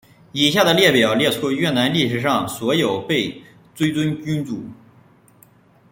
以下的列表列出越南历史上所有被追尊君主。